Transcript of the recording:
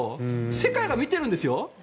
世界が見てるんですよ。